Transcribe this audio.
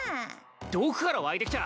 どこから湧いてきた？